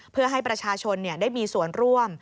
เพื่อให้ประชาชนได้มีส่วนร่วม